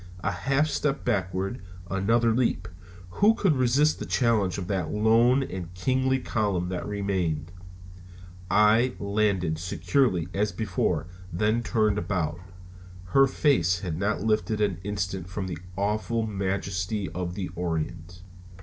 A half step backward, another leap who could resist the challenge of that lone and kingly column that remained? I landed securely as before, then turned about. Her face had not lifted an instant from the awful majesty of the Orient.